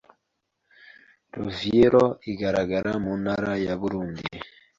Ruvyiro igaragara mu Ntara ya Burundi